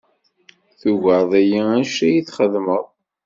Tugared-iyi anect ay txedmed.